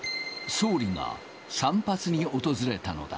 総理が散髪に訪れたのだ。